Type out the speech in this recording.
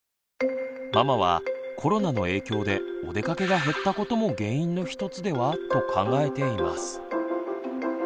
ママはコロナの影響でおでかけが減ったことも原因の１つでは？と考えています。